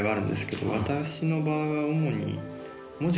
私の場合は主に。